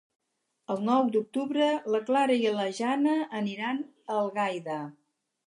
El nou d'octubre na Clara i na Jana iran a Algaida.